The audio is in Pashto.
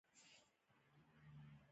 لاوطن خلک رابولی، دمیړانومعرکوته